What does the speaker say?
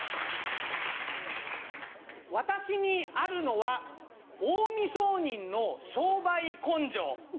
私にあるのは近江商人の商売根性。